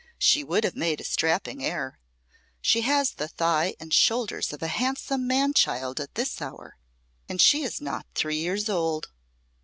She would have made a strapping heir. She has the thigh and shoulders of a handsome man child at this hour, and she is not three years old."